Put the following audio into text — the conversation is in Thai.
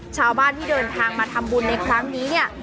ชาวบ้านที่เดินทางมาทำบุญในครั้งนี้เนี่ย